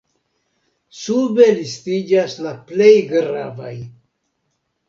Sube listiĝas la plej gravaj.